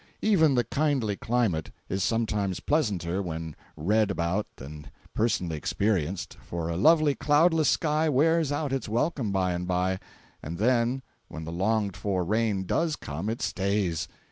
Even the kindly climate is sometimes pleasanter when read about than personally experienced, for a lovely, cloudless sky wears out its welcome by and by, and then when the longed for rain does come it stays.